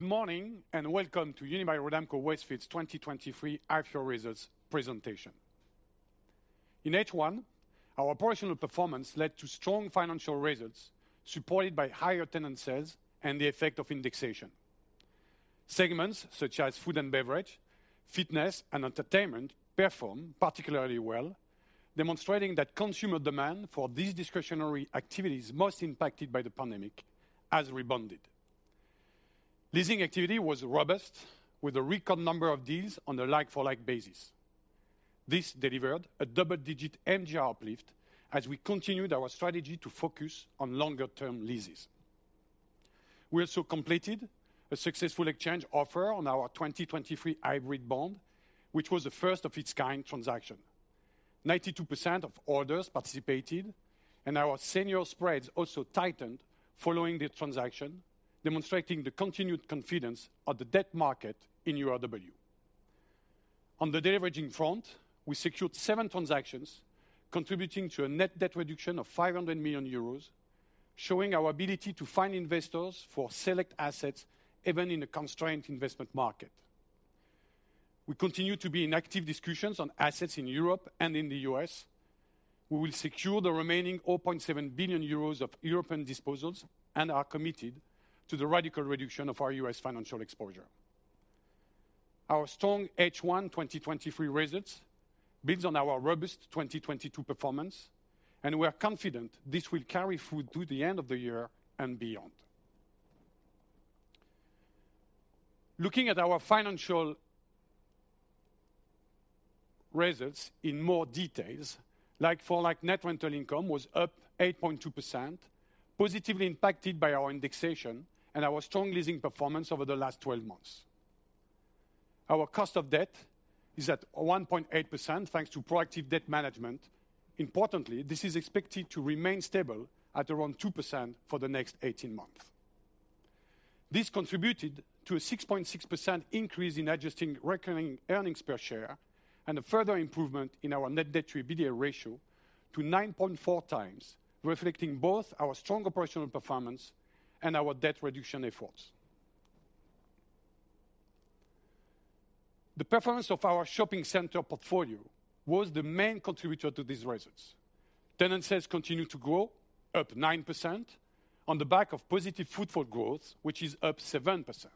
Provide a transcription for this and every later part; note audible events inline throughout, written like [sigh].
Good morning, and welcome to Unibail-Rodamco-Westfield's 2023 half-year results presentation. In H1, our operational performance led to strong financial results, supported by higher tenant sales and the effect of indexation. Segments such as food and beverage, fitness, and entertainment performed particularly well, demonstrating that consumer demand for these discretionary activities, most impacted by the pandemic, has rebounded. Leasing activity was robust, with a record number of deals on a like-for-like basis. This delivered a double-digit MGR uplift as we continued our strategy to focus on longer-term leases. We also completed a successful exchange offer on our 2023 hybrid bond, which was a first of its kind transaction. 92% of holders participated. Our senior spreads also tightened following the transaction, demonstrating the continued confidence of the debt market in URW. On the deleveraging front, we secured seven transactions, contributing to a net debt reduction of 500 million euros, showing our ability to find investors for select assets, even in a constrained investment market. We continue to be in active discussions on assets in Europe and in the U.S. We will secure the remaining 0.7 billion euros of European disposals and are committed to the radical reduction of our U.S. financial exposure. Our strong H1 2023 results builds on our robust 2022 performance, and we are confident this will carry through to the end of the year and beyond. Looking at our financial results in more details, like-for-like net rental income was up 8.2%, positively impacted by our indexation and our strong leasing performance over the last 12 months. Our cost of debt is at 1.8%, thanks to proactive debt management. Importantly, this is expected to remain stable at around 2% for the next 18 months. This contributed to a 6.6% increase in Adjusted Recurring Earnings Per Share and a further improvement in our net debt to EBITDA ratio to 9.4x, reflecting both our strong operational performance and our debt reduction efforts. The performance of our shopping center portfolio was the main contributor to these results. Tenant sales continued to grow, up 9%, on the back of positive footfall growth, which is up 7%.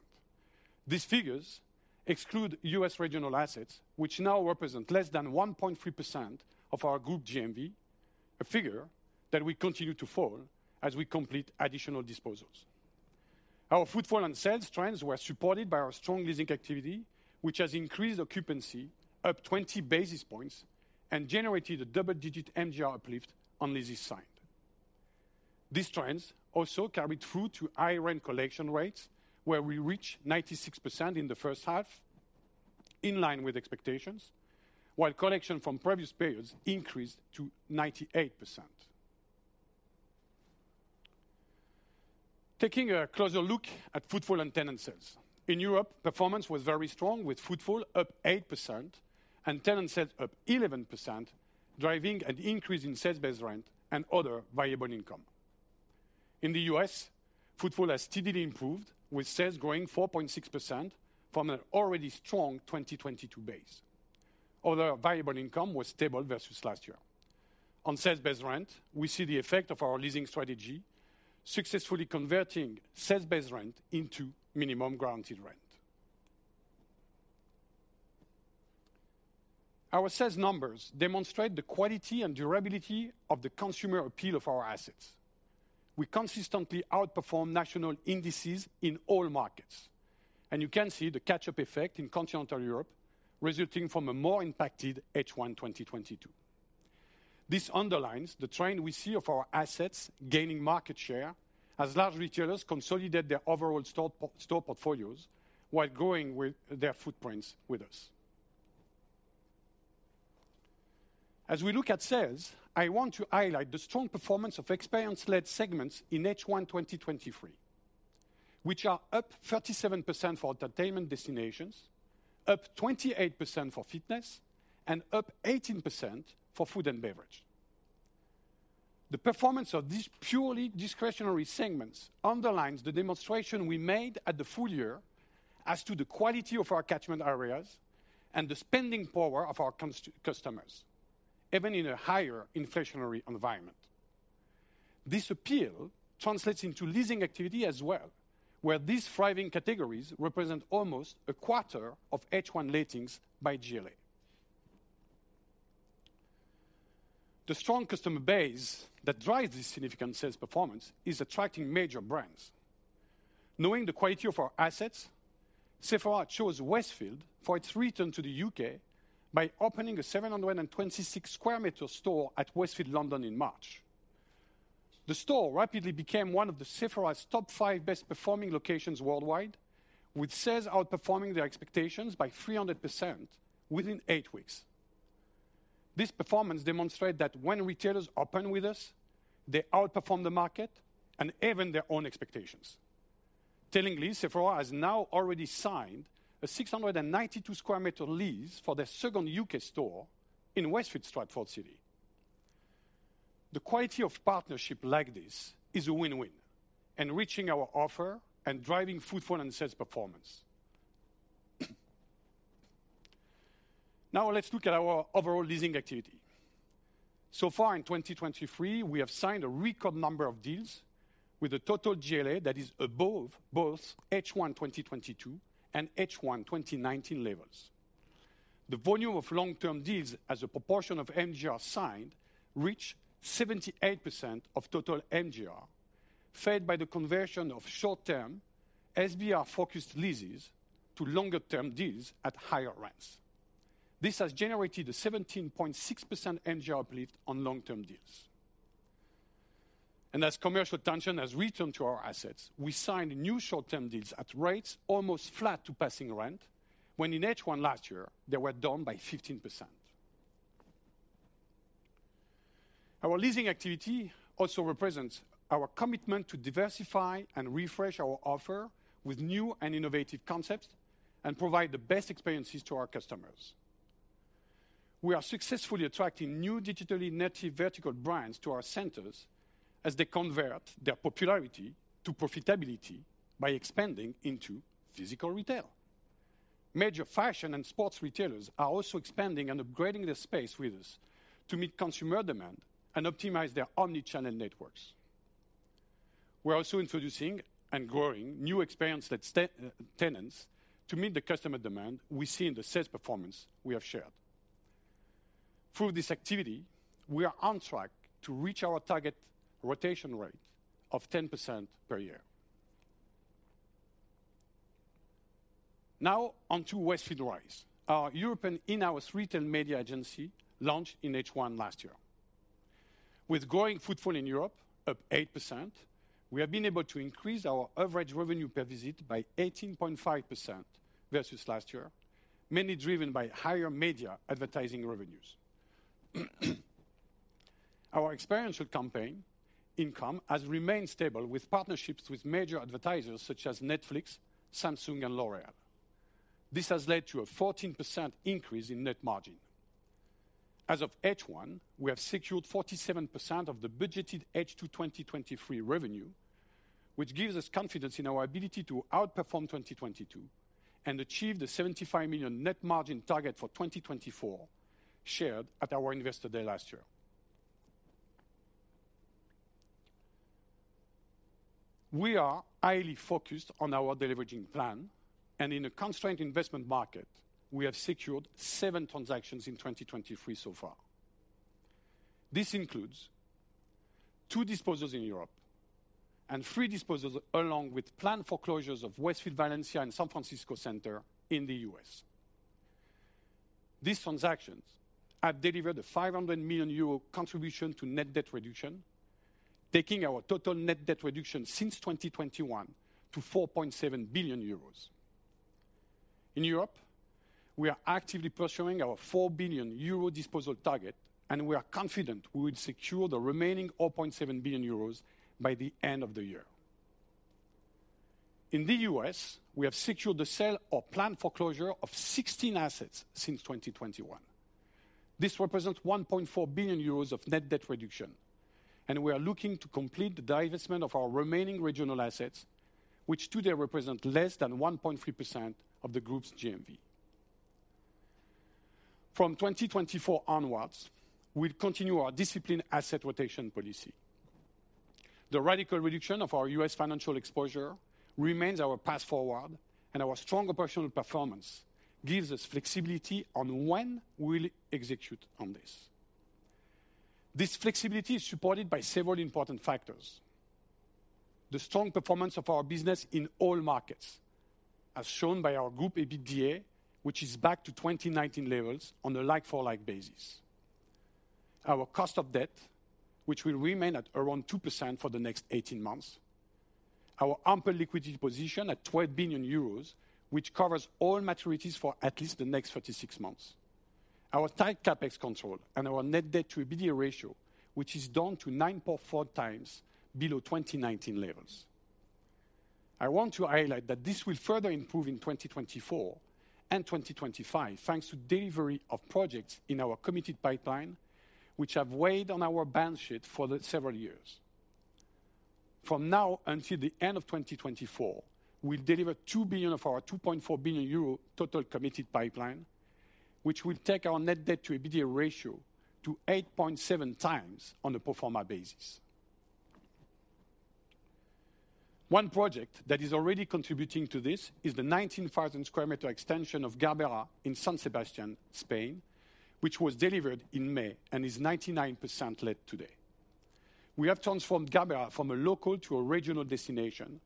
These figures exclude U.S. regional assets, which now represent less than 1.3% of our group GMV, a figure that will continue to fall as we complete additional disposals. Our footfall and sales trends were supported by our strong leasing activity, which has increased occupancy up 20 basis points and generated a double-digit MGR uplift on leases signed. These trends also carried through to high rent collection rates, where we reached 96% in the first half, in line with expectations, while collection from previous periods increased to 98%. Taking a closer look at footfall and tenant sales. In Europe, performance was very strong, with footfall up 8% and tenant sales up 11%, driving an increase in sales base rent and other variable income. In the U.S., footfall has steadily improved, with sales growing 4.6% from an already strong 2022 base. Other variable income was stable versus last year. On sales base rent, we see the effect of our leasing strategy, successfully converting sales base rent into minimum guaranteed rent. Our sales numbers demonstrate the quality and durability of the consumer appeal of our assets. We consistently outperform national indices in all markets. You can see the catch-up effect in continental Europe, resulting from a more impacted H1 2022. This underlines the trend we see of our assets gaining market share as large retailers consolidate their overall store portfolios while growing with their footprints with us. As we look at sales, I want to highlight the strong performance of experience-led segments in H1 2023, which are up 37% for entertainment destinations, up 28% for fitness, and up 18% for food and beverage. The performance of these purely discretionary segments underlines the demonstration we made at the full year as to the quality of our catchment areas and the spending power of our customers, even in a higher inflationary environment. This appeal translates into leasing activity as well, where these thriving categories represent almost a quarter of H1 lettings by GLA. The strong customer base that drives this significant sales performance is attracting major brands. Knowing the quality of our assets, Sephora chose Westfield for its return to the UK by opening a 726 sq m store at Westfield London in March. The store rapidly became one of Sephora's top five best performing locations worldwide, with sales outperforming their expectations by 300% within eight weeks. This performance demonstrates that when retailers open with us, they outperform the market and even their own expectations. Tellingly, Sephora has now already signed a 692 sq m lease for their second UK store in Westfield Stratford City. The quality of partnership like this is a win-win, enriching our offer and driving footfall and sales performance. Let's look at our overall leasing activity. Far in 2023, we have signed a record number of deals with a total GLA that is above both H1 2022 and H1 2019 levels. The volume of long-term deals as a proportion of MGR signed, reached 78% of total MGR, fed by the conversion of short-term SBR-focused leases to longer-term deals at higher rents. This has generated a 17.6% MGR uplift on long-term deals. As commercial tension has returned to our assets, we signed new short-term deals at rates almost flat to passing rent, when in H1 last year, they were down by 15%. Our leasing activity also represents our commitment to diversify and refresh our offer with new and innovative concepts and provide the best experiences to our customers. We are successfully attracting new Digitally Native Vertical Brands to our centers as they convert their popularity to profitability by expanding into physical retail. Major fashion and sports retailers are also expanding and upgrading their space with us to meet consumer demand and optimize their omnichannel networks. We are also introducing and growing new experience tenants to meet the customer demand we see in the sales performance we have shared. Through this activity, we are on track to reach our target rotation rate of 10% per year. On to Westfield Rise. Our European in-house retail media agency launched in H1 last year. With growing footfall in Europe, up 8%, we have been able to increase our average revenue per visit by 18.5% versus last year, mainly driven by higher media advertising revenues. Our experiential campaign income has remained stable with partnerships with major advertisers such as Netflix, Samsung, and L'Oréal. This has led to a 14% increase in net margin. As of H1, we have secured 47% of the budgeted H2 2023 revenue, which gives us confidence in our ability to outperform 2022 and achieve the 75 million net margin target for 2024, shared at our Investor Day last year. We are highly focused on our deleveraging plan. In a constrained investment market, we have secured seven transactions in 2023 so far. This includes two disposals in Europe and three disposals, along with planned foreclosures of Westfield Valencia and San Francisco Center in the US. These transactions have delivered a 500 million euro contribution to net debt reduction, taking our total net debt reduction since 2021 to 4.7 billion euros. In Europe, we are actively pursuing our 4 billion euro disposal target. We are confident we will secure the remaining 4.7 billion euros by the end of the year. In the U.S., we have secured the sale or planned foreclosure of 16 assets since 2021. This represents 1.4 billion euros of net debt reduction. We are looking to complete the divestment of our remaining regional assets, which today represent less than 1.3% of the Group's GMV. From 2024 onwards, we'll continue our disciplined asset rotation policy. The radical reduction of our U.S. financial exposure remains our path forward. Our strong operational performance gives us flexibility on when we'll execute on this. This flexibility is supported by several important factors: the strong performance of our business in all markets, as shown by our group EBITDA, which is back to 2019 levels on a like-for-like basis. Our cost of debt, which will remain at around 2% for the next 18 months, our ample liquidity position at 12 billion euros, which covers all maturities for at least the next 36 months. Our tight CapEx control and our net debt to EBITDA ratio, which is down to 9.4x, below 2019 levels. I want to highlight that this will further improve in 2024 and 2025, thanks to delivery of projects in our committed pipeline, which have weighed on our balance sheet for the several years. From now until the end of 2024, we'll deliver 2 billion of our 2.4 billion euro total committed pipeline, which will take our net debt to EBITDA ratio to 8.7x on a pro-forma basis. One project that is already contributing to this is the 19,000 sq m extension of Garbera in San Sebastián, Spain, which was delivered in May and is 99% let today. We have transformed Garbera from a local to a regional destination,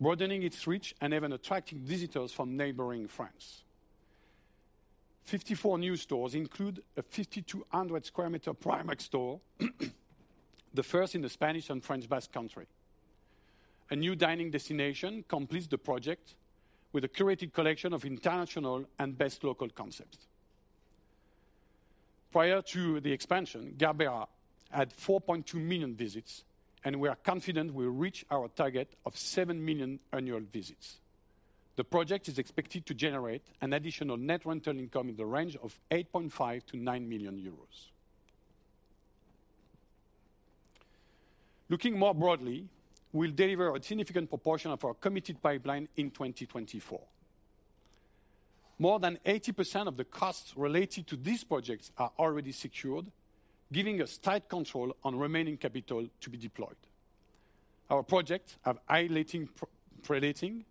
broadening its reach and even attracting visitors from neighboring France. 54 new stores include a 5,200 sq m Primark store, the first in the Spanish and French Basque Country. A new dining destination completes the project with a curated collection of international and best local concepts. Prior to the expansion, Garbera had 4.2 million visits. We are confident we'll reach our target of 7 million annual visits. The project is expected to generate an additional net rental income in the range of 8.5 million-9 million euros. Looking more broadly, we'll deliver a significant proportion of our committed pipeline in 2024. More than 80% of the costs related to these projects are already secured, giving us tight control on remaining capital to be deployed. Our projects have high letting, predating,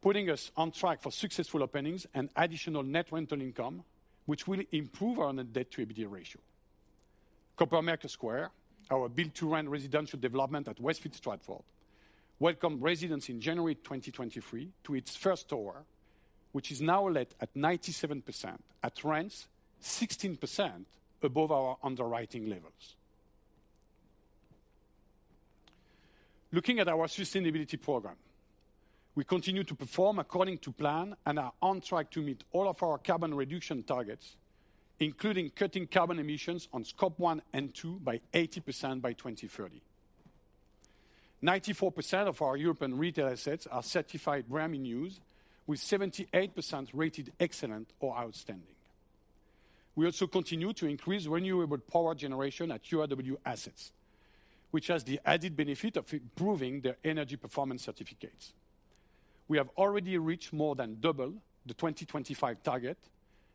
putting us on track for successful openings and additional net rental income, which will improve our net debt to EBITDA ratio. Coppermaker Square, our Build-to-Rent residential development at Westfield Stratford, welcomed residents in January 2023 to its first tower, which is now let at 97% at rents 16% above our underwriting levels. Looking at our sustainability program, we continue to perform according to plan and are on track to meet all of our carbon reduction targets, including cutting carbon emissions on Scope 1 and 2 by 80% by 2030. 94% of our European retail assets are certified BREEAM In-Use, with 78% rated excellent or outstanding. We also continue to increase renewable power generation at URW assets, which has the added benefit of improving their Energy Performance Certificates. We have already reached more than double the 2025 target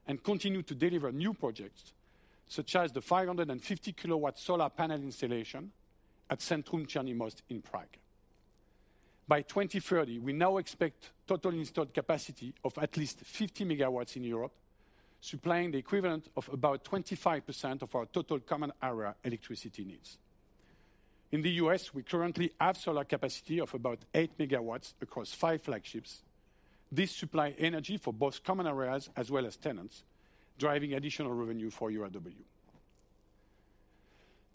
and continue to deliver new projects, such as the 550 kW solar panel installation at Centrum Černý Most in Prague. By 2030, we now expect total installed capacity of at least 50 MW in Europe, supplying the equivalent of about 25% of our total common area electricity needs. In the U.S., we currently have solar capacity of about 8 MW across five flagships. This supply energy for both common areas as well as tenants, driving additional revenue for URW.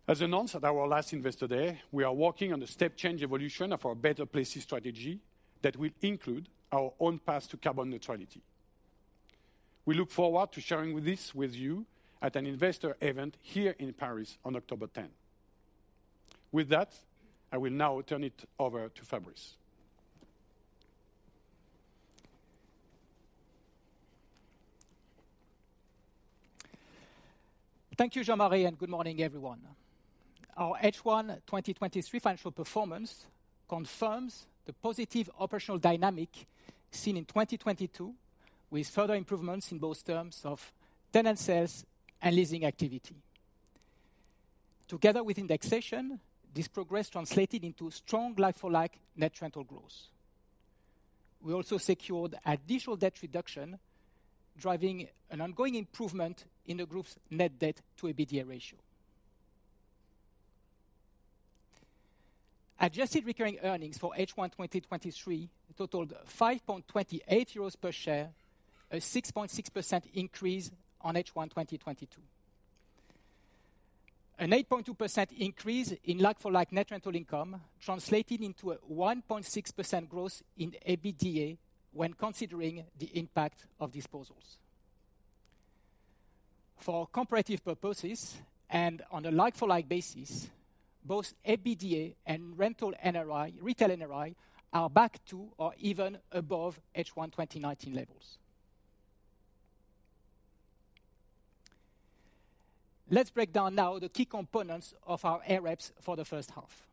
As announced at our last Investor Day, we are working on a step change evolution of our Better Places strategy that will include our own path to carbon neutrality. We look forward to sharing this with you at an investor event here in Paris on October 10th. With that, I will now turn it over to Fabrice. Thank you, Jean-Marie, and good morning, everyone. Our H1 2023 financial performance confirms the positive operational dynamic seen in 2022, with further improvements in both terms of tenant sales and leasing activity. Together with indexation, this progress translated into strong like-for-like net rental growth. We also secured additional debt reduction, driving an ongoing improvement in the Group's net debt to EBITDA ratio. Adjusted recurring earnings for H1 2023 totaled 5.28 euros per share, a 6.6% increase on H1 2022. An 8.2% increase in like-for-like net rental income translated into a 1.6% growth in EBITDA when considering the impact of disposals. For comparative purposes and on a like-for-like basis, both EBITDA and rental NRI, retail NRI are back to or even above H1 2019 levels. Let's break down now the key components of our AREPS for the first half.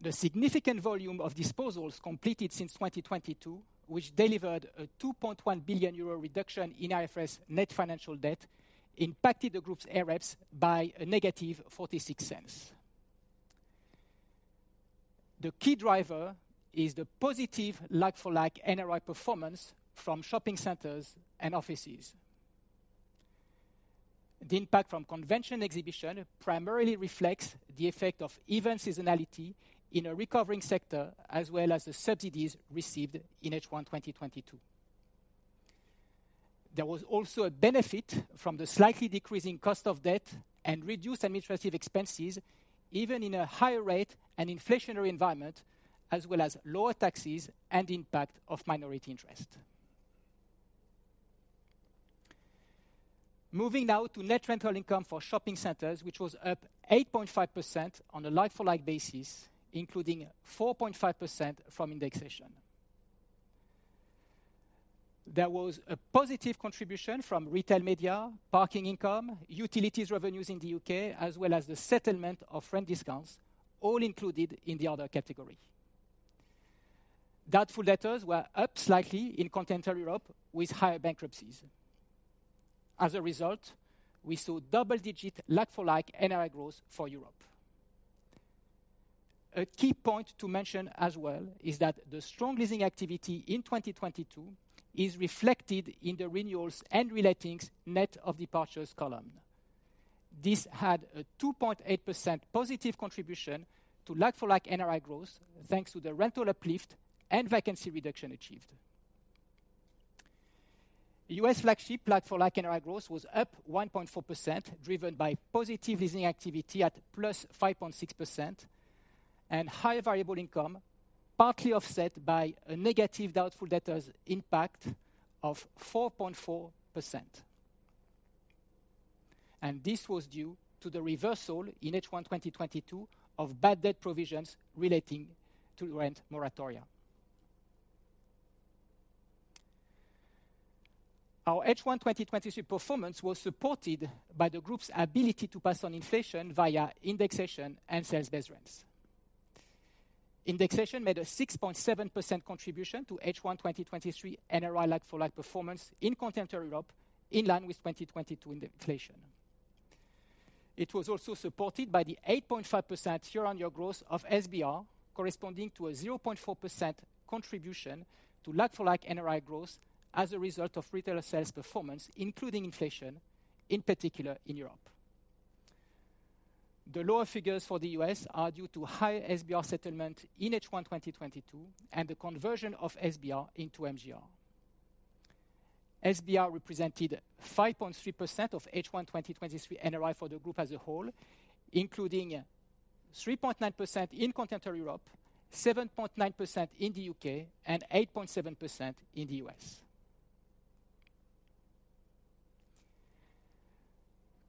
The significant volume of disposals completed since 2022, which delivered a 2.1 billion euro reduction in IFRS net financial debt, impacted the Group's AREPS by a negative 0.46. The key driver is the positive like-for-like NRI performance from shopping centers and offices. The impact from convention exhibition primarily reflects the effect of event seasonality in a recovering sector, as well as the subsidies received in H1 2022. There was also a benefit from the slightly decreasing cost of debt and reduced administrative expenses, even in a higher rate and inflationary environment, as well as lower taxes and impact of minority interest. Moving now to net rental income for shopping centers, which was up 8.5% on a like-for-like basis, including 4.5% from indexation. There was a positive contribution from retail media, parking income, utilities revenues in the U.K., as well as the settlement of rent discounts, all included in the other category. Doubtful debtors were up slightly in Continental Europe, with higher bankruptcies. We saw double-digit like-for-like NRI growth for Europe. A key point to mention as well is that the strong leasing activity in 2022 is reflected in the renewals and relatings net of departures column. This had a 2.8% positive contribution to like-for-like NRI growth, thanks to the rental uplift and vacancy reduction achieved. U.S. flagship like-for-like NRI growth was up 1.4%, driven by positive leasing activity at 5.6%+ and higher variable income, partly offset by a negative doubtful debtors impact of 4.4%. This was due to the reversal in H1 2022 of bad debt provisions relating to rent moratorium. Our H1 2023 performance was supported by the Group's ability to pass on inflation via indexation and sales base rents. Indexation made a 6.7% contribution to H1 2023 NRI like-for-like performance in Continental Europe, in line with 2022 inflation. It was also supported by the 8.5% year-on-year growth of SBR, corresponding to a 0.4% contribution to like-for-like NRI growth as a result of retailer sales performance, including inflation, in particular in Europe. The lower figures for the U.S. are due to higher SBR settlement in H1 2022, and the conversion of SBR into MGR. SBR represented 5.3% of H1 2023 NRI for the Group as a whole, including 3.9% in Continental Europe, 7.9% in the UK, and 8.7% in the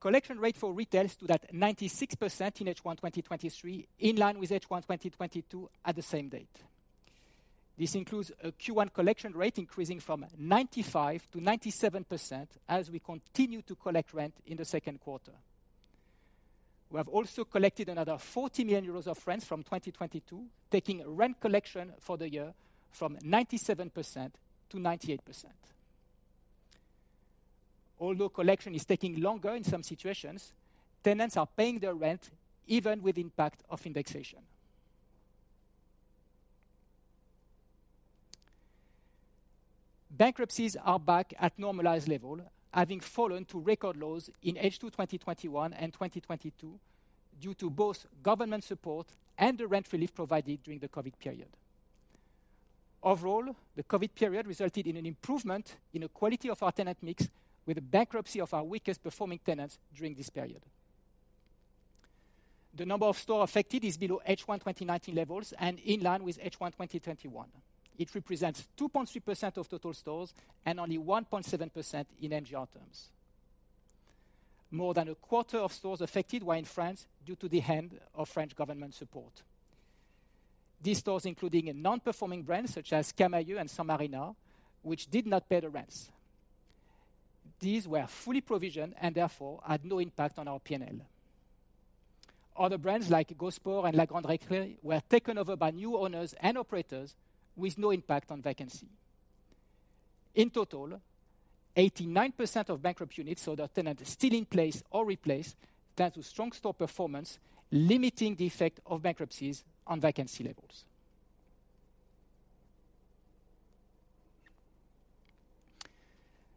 U.S. Collection rate for retails stood at 96% in H1 2023, in line with H1 2022 at the same date. This includes a Q1 collection rate increasing from 95%-97% as we continue to collect rent in the second quarter. We have also collected another 40 million euros of rents from 2022, taking rent collection for the year from 97%-98%. Although collection is taking longer in some situations, tenants are paying their rent even with impact of indexation. Bankruptcies are back at normalized level, having fallen to record lows in H2 2021 and 2022, due to both government support and the rent relief provided during the COVID period. Overall, the COVID period resulted in an improvement in the quality of our tenant mix, with the bankruptcy of our weakest performing tenants during this period. The number of stores affected is below H1 2019 levels and in line with H1 2021. It represents 2.3% of total stores and only 1.7% in MGR terms. More than a quarter of stores affected were in France due to the end of French government support. These stores, including non-performing brands such as Camaïeu and San Marina, which did not pay the rents. These were fully provisioned and therefore had no impact on our PNL. Other brands, like Go Sport and La Grande Récré, were taken over by new owners and operators with no impact on vacancy. In total, 89% of bankrupt units saw their tenant still in place or replaced, thanks to strong store performance, limiting the effect of bankruptcies on vacancy levels.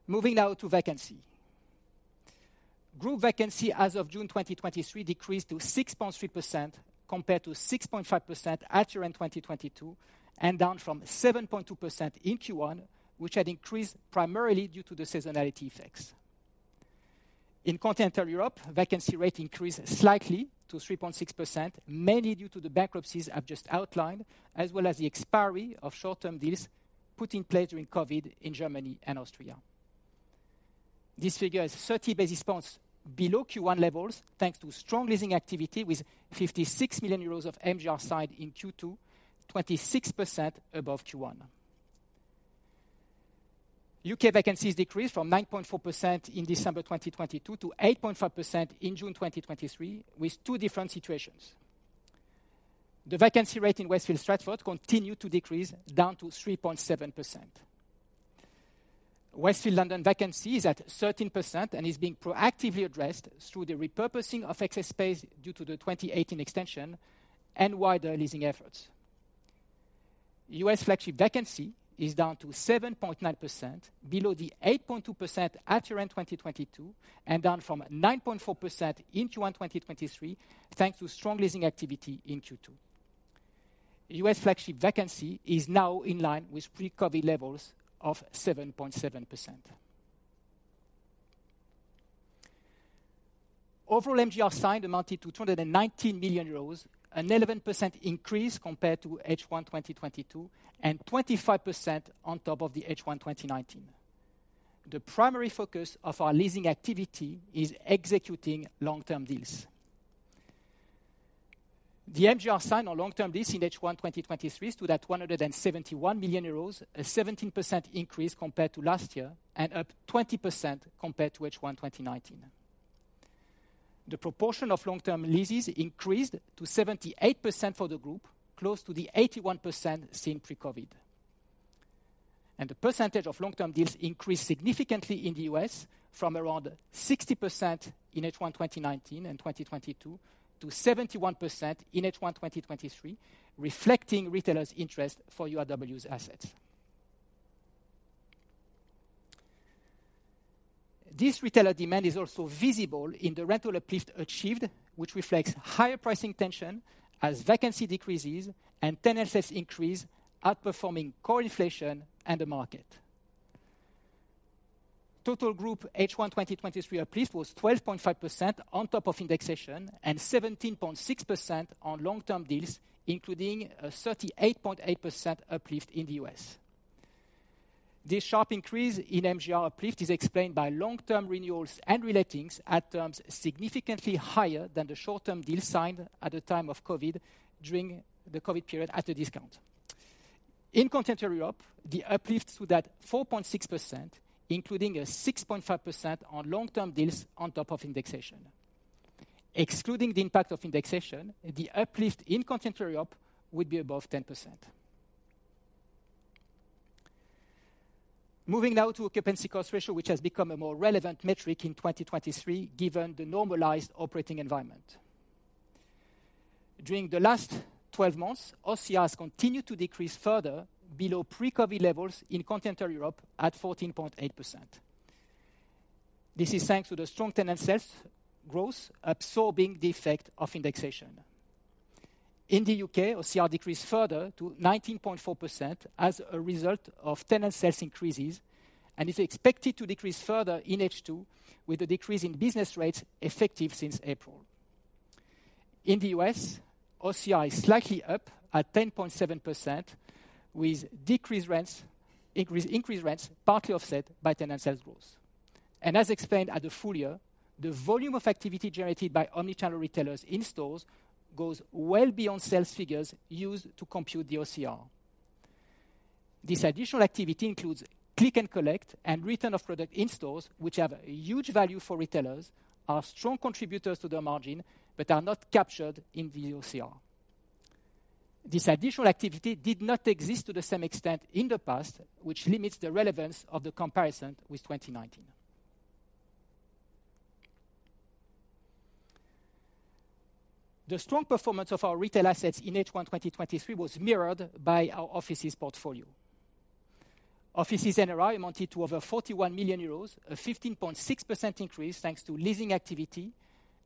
Moving now to vacancy. Group vacancy as of June 2023 decreased to 6.3%, compared to 6.5% at year-end 2022, and down from 7.2% in Q1, which had increased primarily due to the seasonality effects. In Continental Europe, vacancy rate increased slightly to 3.6%, mainly due to the bankruptcies I've just outlined, as well as the expiry of short-term deals put in place during COVID in Germany and Austria. This figure is 30 basis points below Q1 levels, thanks to strong leasing activity, with 56 million euros of MGR signed in Q2, 26% above Q1. U.K. vacancies decreased from 9.4% in December 2022 to 8.5% in June 2023, with two different situations. The vacancy rate in Westfield Stratford continued to decrease, down to 3.7%. Westfield London vacancy is at 13% and is being proactively addressed through the repurposing of excess space due to the 2018 extension and wider leasing efforts. U.S. flagship vacancy is down to 7.9%, below the 8.2% at year-end 2022, and down from 9.4% in Q1 2023, thanks to strong leasing activity in Q2. U.S. flagship vacancy is now in line with pre-COVID levels of 7.7%. Overall, MGR signed amounted to 219 million euros, an 11% increase compared to H1 2022, and 25% on top of the H1 2019. The primary focus of our leasing activity is executing long-term deals. The MGR signed on long-term deals in H1 2023 stood at 171 million euros, a 17% increase compared to last year and up 20% compared to H1 2019. The proportion of long-term leases increased to 78% for the Group, close to the 81% seen pre-COVID. The percentage of long-term deals increased significantly in the U.S. from around 60% in H1 2019 and 2022 to 71% in H1 2023, reflecting retailers interest for URW's assets. This retailer demand is also visible in the rental uplift achieved, which reflects higher pricing tension as vacancy decreases and tenancies increase, outperforming core inflation and the market. Total Group H1 2023 uplift was 12.5% on top of indexation and 17.6% on long-term deals, including a 38.8% uplift in the U.S. This sharp increase in MGR uplift is explained by long-term renewals and relettings at terms significantly higher than the short-term deals signed at the time of COVID, during the COVID period at a discount. In Continental Europe, the uplift stood at 4.6%, including a 6.5% on long-term deals on top of indexation. Excluding the impact of indexation, the uplift in Continental Europe would be above 10%. Moving now to occupancy cost ratio, which has become a more relevant metric in 2023, given the normalized operating environment. During the last 12 months, OCR has continued to decrease further below pre-COVID levels in Continental Europe at 14.8%. This is thanks to the strong tenant sales growth, absorbing the effect of indexation. In the U.K., OCR decreased further to 19.4% as a result of tenant sales increases. Is expected to decrease further in H2, with a decrease in business rates effective since April. In the U.S., OCR is slightly up at 10.7%, with decreased rents, increased rents, partly offset by tenant sales growth. As explained at the full year, the volume of activity generated by omnichannel retailers in stores goes well beyond sales figures used to compute the OCR. This additional activity includes click and collect and return of product in stores, which have a huge value for retailers are strong contributors to the margin, but are not captured in the OCR. This additional activity did not exist to the same extent in the past, which limits the relevance of the comparison with 2019. The strong performance of our retail assets in H1 2023, was mirrored by our offices portfolio. Offices NOI amounted to over 41 million euros, a 15.6% increase, thanks to leasing activity,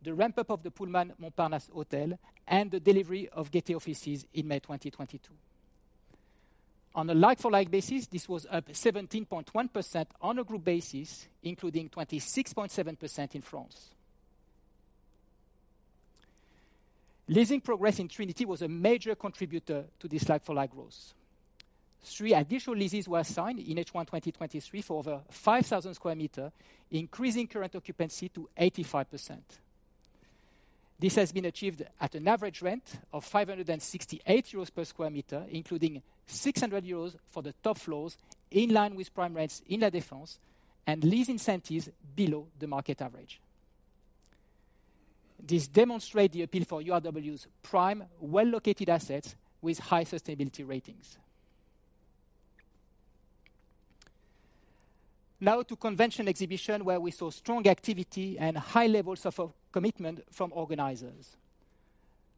the ramp-up of the Pullman Montparnasse Hotel, and the delivery of Gaîté offices in May 2022. On a like-for-like basis, this was up 17.1% on a group basis, including 26.7% in France. Leasing progress in Trinity was a major contributor to this like-for-like growth. Three additional leases were signed in H1 2023 for over 5,000 sq m, increasing current occupancy to 85%. This has been achieved at an average rent of 568 euros per sq m, including 600 euros for the top floors, in line with prime rates in La Défense, and lease incentives below the market average. This demonstrate the appeal for URW's prime, well-located assets with high sustainability ratings. To convention exhibition, where we saw strong activity and high levels of commitment from organizers.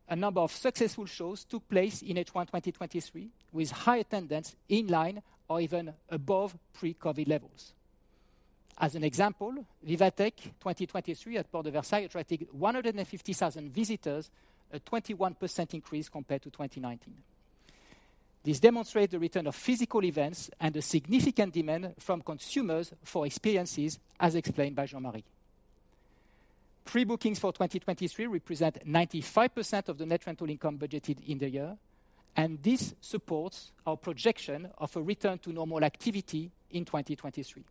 A number of successful shows took place in H1 2023 with high attendance in line or even above pre-COVID levels. As an example, VivaTech 2023 at Porte de Versailles attracted 150,000 visitors, a 21% increase compared to 2019. This demonstrates the return of physical events and a significant demand from consumers for experiences, as explained by Jean-Marie. Pre-bookings for 2023 represent 95% of the net rental income budgeted in the year. This supports our projection of a return to normal activity in 2023.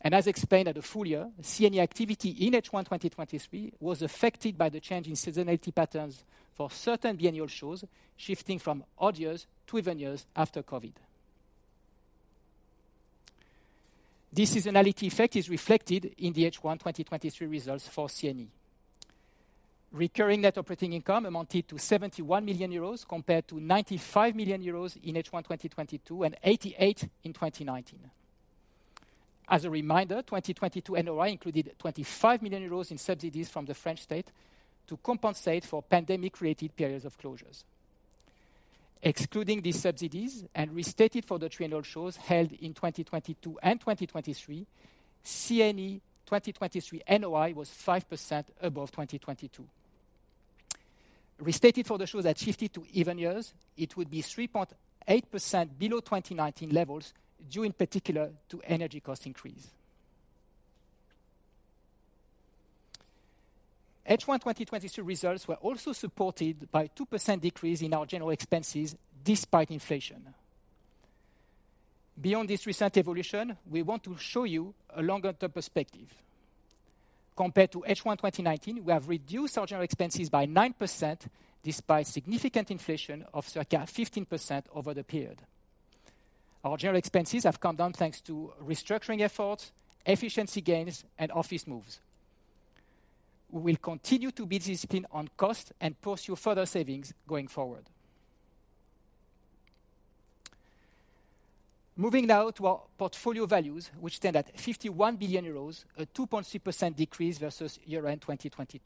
As explained at the full year, CNE activity in H1 2023 was affected by the change in seasonality patterns for certain biennial shows, shifting from odd years to even years after COVID. This seasonality effect is reflected in the H1 2023 results for CNE. Recurring net operating income amounted to 71 million euros, compared to 95 million euros in H1 2022, and 88 million in 2019. As a reminder, 2022 NOI included 25 million euros in subsidies from the French state to compensate for pandemic-related periods of closures. Excluding these subsidies and restated for the biennial shows held in 2022 and 2023, CNE 2023 NOI was 5% above 2022. Restated for the shows that shifted to even years, it would be 3.8% below 2019 levels, due in particular to energy cost increase. H1 2022 results were also supported by 2% decrease in our general expenses, despite inflation. Beyond this recent evolution, we want to show you a longer-term perspective. Compared to H1 2019, we have reduced our general expenses by 9%, despite significant inflation of circa 15% over the period. Our general expenses have come down thanks to restructuring efforts, efficiency gains, and office moves. We will continue to be disciplined on cost and pursue further savings going forward. Moving now to our portfolio values, which stand at 51 billion euros, a 2.3% decrease versus year-end 2022.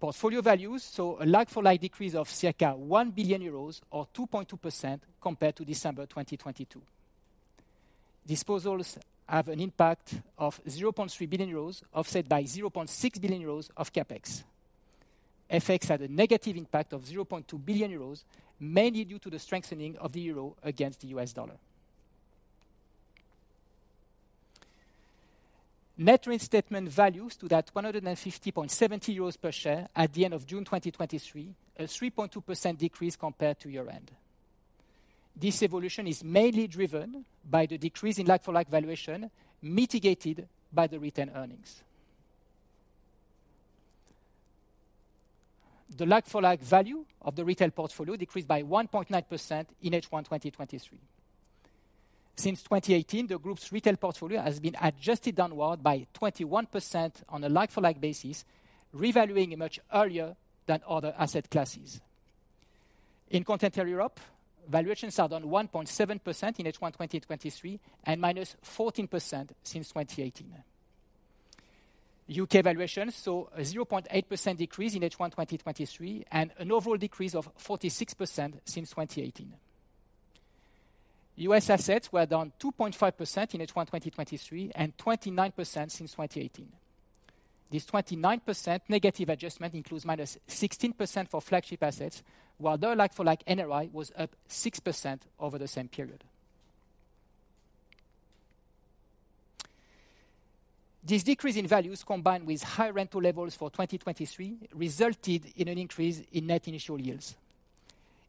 Portfolio values saw a like-for-like decrease of circa 1 billion euros or 2.2% compared to December 2022. Disposals have an impact of 0.3 billion euros, offset by 0.6 billion euros of CapEx. FX had a negative impact of 0.2 billion euros, mainly due to the strengthening of the euro against the U.S. dollar. Net Reinstatement Values to that 150.70 euros per share at the end of June 2023, a 3.2% decrease compared to year-end. This evolution is mainly driven by the decrease in like-for-like valuation, mitigated by the retained earnings. The like-for-like value of the retail portfolio decreased by 1.9% in H1 2023. Since 2018, the Group's retail portfolio has been adjusted downward by 21% on a like-for-like basis, revaluing it much earlier than other asset classes. In Continental Europe, valuations are down 1.7% in H1 2023, and 14%- since 2018. U.K. valuations saw a 0.8% decrease in H1 2023, and an overall decrease of 46% since 2018. U.S. assets were down 2.5% in H1 2023, and 29% since 2018. This 29% negative adjustment includes 16%- for flagship assets, while their like-for-like NRI was up 6% over the same period. This decrease in values, combined with high rental levels for 2023, resulted in an increase in net initial yields.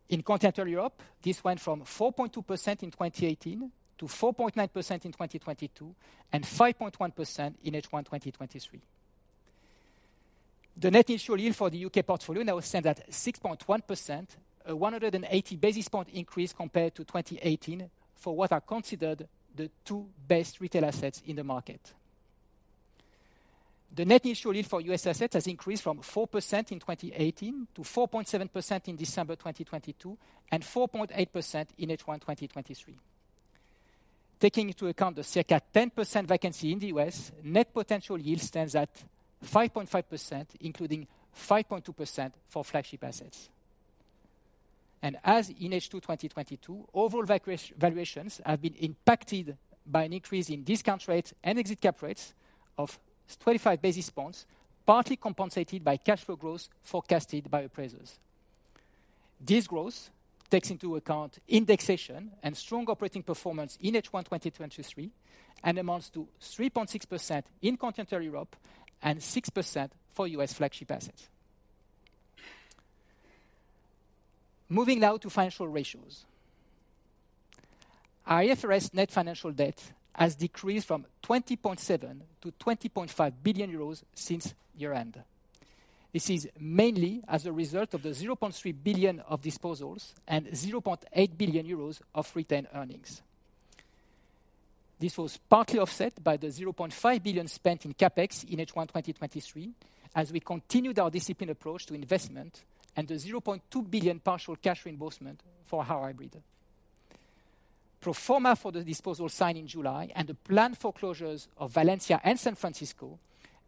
In Continental Europe, this went from 4.2% in 2018 to 4.9% in 2022, and 5.1% in H1 2023. The Net Initial Yield for the U.K. portfolio now stands at 6.1%, a 180 basis point increase compared to 2018, for what are considered the two best retail assets in the market. The Net Initial Yield for U.S. assets has increased from 4% in 2018 to 4.7% in December 2022, and 4.8% in H1 2023. Taking into account the circa 10% vacancy in the U.S., net potential yield stands at 5.5%, including 5.2% for flagship assets. As in H2 2022, overall valuations have been impacted by an increase in discount rates and exit cap rates of 25 basis points, partly compensated by cash flow growth forecasted by appraisers. This growth takes into account indexation and strong operating performance in H1 2023, and amounts to 3.6% in Continental Europe and 6% for U.S. flagship assets. Moving now to financial ratios. Our IFRS net financial debt has decreased from 20.7 billion-20.5 billion euros since year-end. This is mainly as a result of the 0.3 billion of disposals and 0.8 billion euros of retained earnings. This was partly offset by the 0.5 billion spent in CapEx in H1 2023, as we continued our disciplined approach to investment and the 0.2 billion partial cash reimbursement for our hybrid. Pro-forma for the disposal signed in July and the planned foreclosures of Valencia and San Francisco,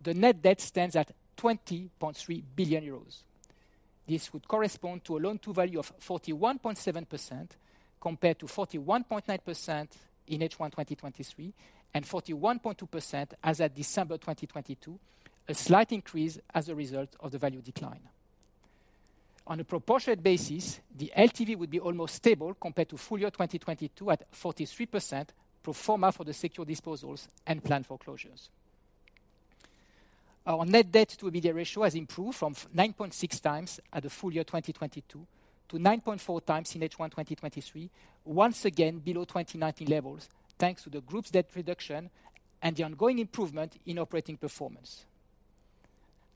the net debt stands at 20.3 billion euros. This would correspond to a loan-to-value of 41.7%, compared to 41.9% in H1 2023, and 41.2% as at December 2022, a slight increase as a result of the value decline. On a proportionate basis, the LTV would be almost stable compared to full year 2022 at 43%, pro-forma for the secured disposals and planned foreclosures. Our net debt to EBITDA ratio has improved from 9.6x at the full year 2022 to 9.4x in H1 2023, once again below 2019 levels, thanks to the Group's debt reduction and the ongoing improvement in operating performance.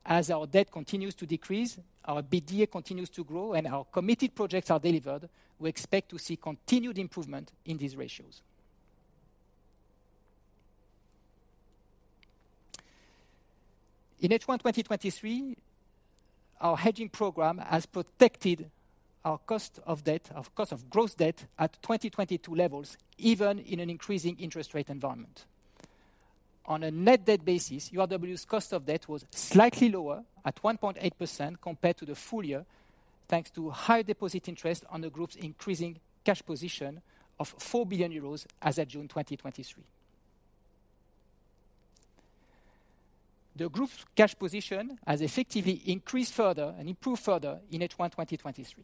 As our debt continues to decrease, our EBITDA continues to grow, and our committed projects are delivered, we expect to see continued improvement in these ratios. In H1 2023, our hedging program has protected our cost of gross debt at 2022 levels, even in an increasing interest rate environment. On a net debt basis, URW's cost of debt was slightly lower at 1.8% compared to the full year, thanks to higher deposit interest on the Group's increasing cash position of 4 billion euros as at June 2023. The Group's cash position has effectively increased further and improved further in H1 2023.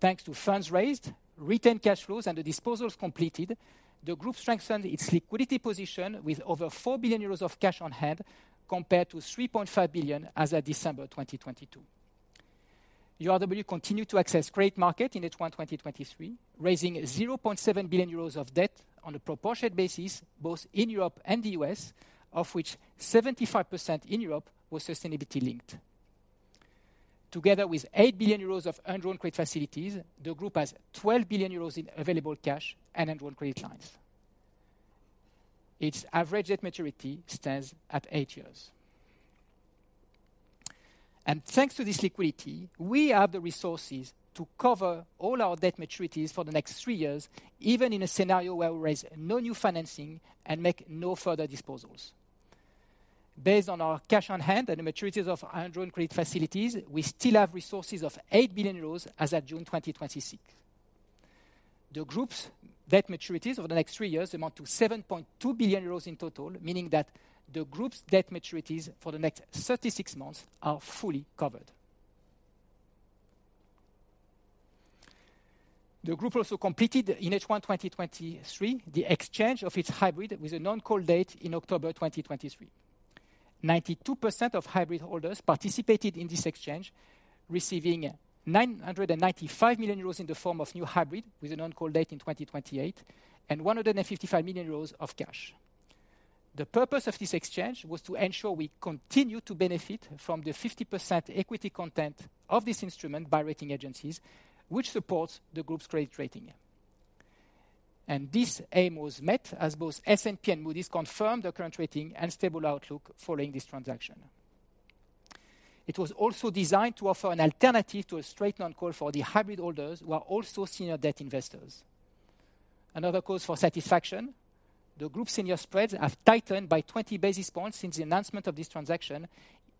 Thanks to funds raised, retained cash flows, and the disposals completed, the group strengthened its liquidity position with over 4 billion euros of cash on hand, compared to 3.5 billion as at December 2022. URW continued to access credit market in H1 2023, raising 0.7 billion euros of debt on a proportionate basis, both in Europe and the U.S., of which 75% in Europe was sustainability-linked. Together with 8 billion euros of undrawn credit facilities, the group has 12 billion euros in available cash and undrawn credit lines. Its average debt maturity stands at eight years. Thanks to this liquidity, we have the resources to cover all our debt maturities for the next three years, even in a scenario where we raise no new financing and make no further disposals. Based on our cash on hand and the maturities of undrawn credit facilities, we still have resources of 8 billion euros as at June 2026. The Group's debt maturities over the next three years amount to 7.2 billion euros in total, meaning that the Group's debt maturities for the next 36 months are fully covered. The group also completed in H1 2023, the exchange of its hybrid with a non-call date in October 2023. 92% of hybrid holders participated in this exchange, receiving 995 million euros in the form of new hybrid, with a non-call date in 2028, and 155 million euros of cash. The purpose of this exchange was to ensure we continue to benefit from the 50% equity content of this instrument by rating agencies, which supports the Group's credit rating. This aim was met as both S&P and Moody's confirmed the current rating and stable outlook following this transaction. It was also designed to offer an alternative to a straight non-call for the hybrid holders, who are also senior debt investors. Another cause for satisfaction, the Group's senior spreads have tightened by 20 basis points since the announcement of this transaction,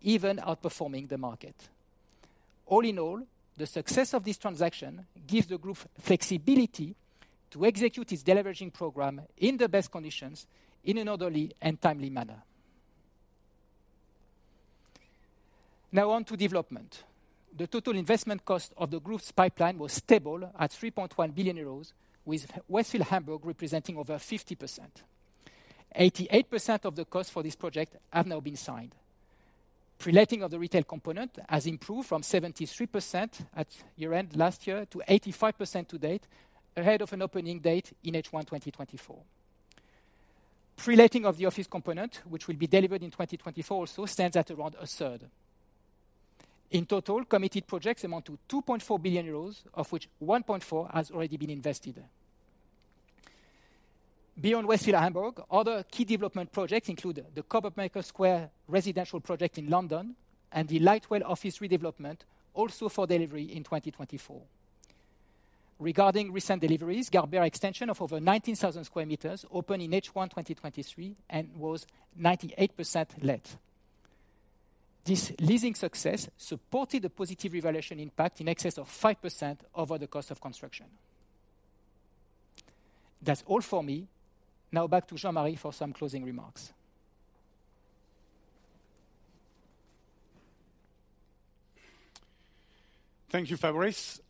even outperforming the market. On to development. The total investment cost of the Group's pipeline was stable at 3.1 billion euros, with Westfield Hamburg representing over 50%. 88% of the costs for this project have now been signed. Pre-letting of the retail component has improved from 73% at year-end last year to 85% to date, ahead of an opening date in H1 2024. Pre-letting of the office component, which will be delivered in 2024, also stands at around a third. In total, committed projects amount to 2.4 billion euros, of which 1.4 billion has already been invested. Beyond Westfield Hamburg, other key development projects include the Coppermaker Square residential project in London and the Lightwell office redevelopment, also for delivery in 2024. Regarding recent deliveries, Garbera extension of over 19,000 sq m opened in H1 2023 and was 98% let. This leasing success supported a positive revaluation impact in excess of 5% over the cost of construction. That's all for me. Back to Jean-Marie for some closing remarks. Thank you, Fabrice.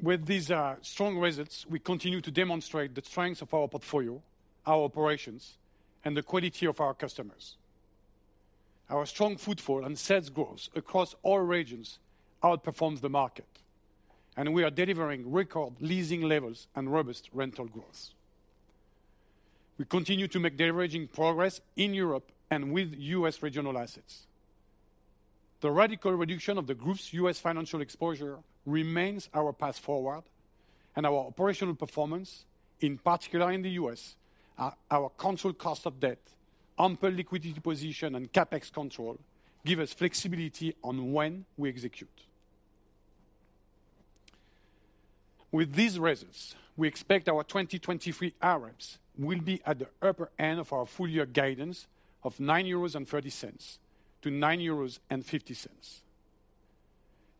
With these strong results, we continue to demonstrate the strength of our portfolio, our operations, and the quality of our customers. Our strong footfall and sales growth across all regions outperforms the market, and we are delivering record leasing levels and robust rental growth. We continue to make deleveraging progress in Europe and with U.S. regional assets. The radical reduction of the Group's U.S. financial exposure remains our path forward and our operational performance, in particular in the U.S., our controlled cost of debt, ample liquidity position, and CapEx control, give us flexibility on when we execute. With these results, we expect our 2023 AREPS will be at the upper end of our full year guidance of 9.30-9.50 euros.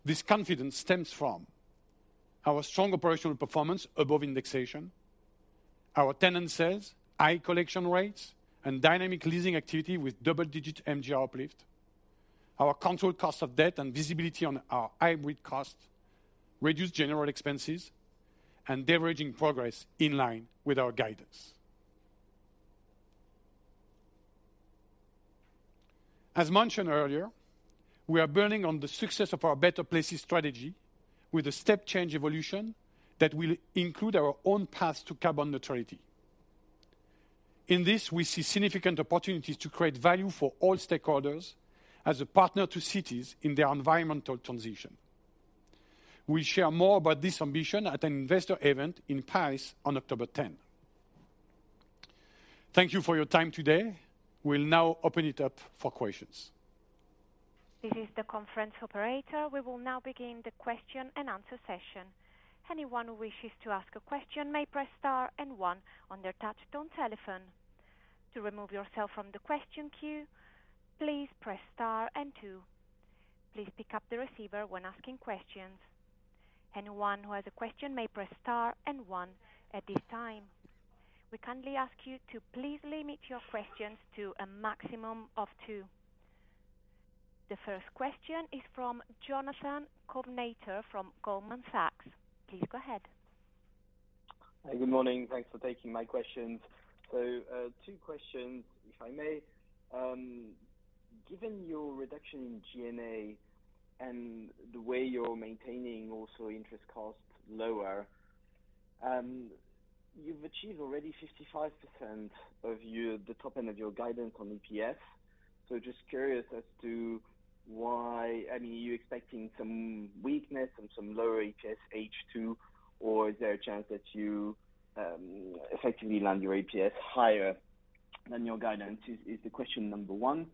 This confidence stems from our strong operational performance above indexation, our tenant sales, high collection rates, and dynamic leasing activity with double-digit MGR uplift, our controlled cost of debt and visibility on our hybrid cost, reduced general expenses, and deleveraging progress in line with our guidance. As mentioned earlier, we are building on the success of our Better Places strategy with a step-change evolution that will include our own path to carbon neutrality. In this, we see significant opportunities to create value for all stakeholders as a partner to cities in their environmental transition. We'll share more about this ambition at an investor event in Paris on October 10th. Thank you for your time today. We'll now open it up for questions. This is the conference operator. We will now begin the question-and-answer session. Anyone who wishes to ask a question may press Star and one on their touch-tone telephone. To remove yourself from the question queue, please press Star and two. Please pick up the receiver when asking questions. Anyone who has a question may press Star and one at this time. We kindly ask you to please limit your questions to a maximum of two. The first question is from Jonathan Kownator from Goldman Sachs. Please go ahead. Hi, good morning. Thanks for taking my questions. Two questions, if I may. Given your reduction in G&A and the way you're maintaining also interest costs lower, you've achieved already 55% of your, the top end of your guidance on EPS. Just curious as to why I mean, are you expecting some weakness and some lower HS H2, or is there a chance that you effectively land your EPS higher than your guidance, is the question number one.